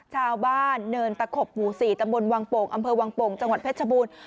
ชาวบ้านเนินตะขบหมู่๔ตำบลวังโป่งอำเภอวังโป่งจังหวัดเพชรบูรณ์